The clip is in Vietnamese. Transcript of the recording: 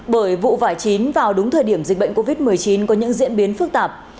bởi vụ vải chín vào đúng thời điểm dịch bệnh covid một mươi chín có những diễn biến phức tạp